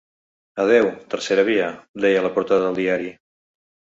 Adeu, tercera via, deia la portada del diari.